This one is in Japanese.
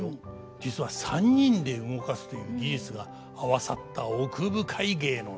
実は３人で動かすという技術が合わさった奥深い芸能なんです。